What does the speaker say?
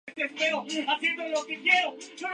Durante la Segunda Guerra Mundial fue piloto de caza.